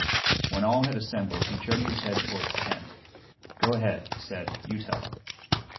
When all had assembled he jerked his head toward Ken. "Go ahead," he said. "You tell them."